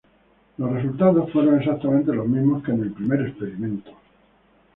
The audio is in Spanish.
Los resultados fueron exactamente los mismos que en el primer experimento.